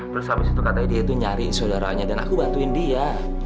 terus habis itu katanya dia itu nyari saudaranya dan aku bantuin dia